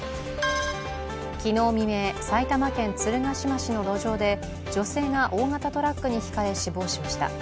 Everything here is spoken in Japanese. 昨日未明、埼玉県鶴ヶ島市の路上で女性が大型トラックにひかれ、死亡しました。